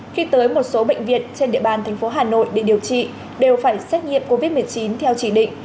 khi tới một số bệnh viện trên địa bàn thành phố hà nội để điều trị đều phải xét nghiệm covid một mươi chín theo chỉ định